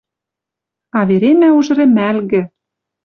А веремӓ уж рӹмӓлгӹ